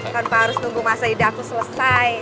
kan pa harus nunggu masa ida aku selesai